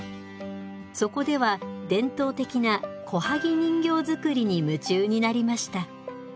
そこでは伝統的な小萩人形作りに夢中になりました。